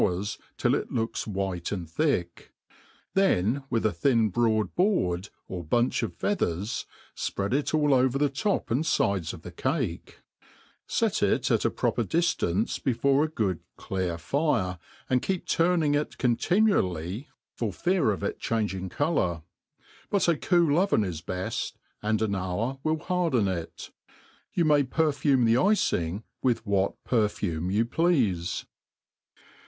rs till it looks white and thick; then with a thin broa^i board, or bunch of feathers, fpread it all over the top and fides of the cake ; fet it at a proper diftance before a good clear fire, and keep turning it continually for fear of its cbang 9 i»S MADE PLAIN AND EASY. 281 ing cddur ; but a cool oven is beft, and an hoor will harden it. You may perfume the icing with what perfume you pleafe.